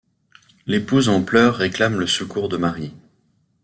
L'épouse en pleurs réclame le secours de Marie.